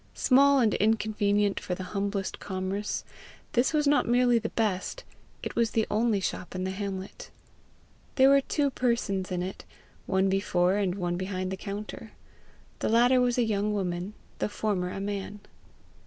Small and inconvenient for the humblest commerce, this was not merely the best, it was the only shop in the hamlet. There were two persons in it, one before and one behind the counter. The latter was a young woman, the former a man.